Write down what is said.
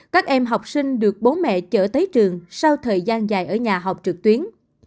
các em học sinh được bố mẹ chở tới trường sau thời gian dài ở nhà học trực tuyến